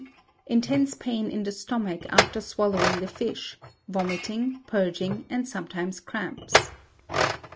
Intense pain in the stomach after swallowing the fish, vomiting, purging, and sometimes cramps.